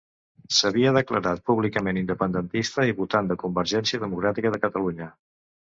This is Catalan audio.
S'havia declarat públicament independentista i votant de Convergència Democràtica de Catalunya.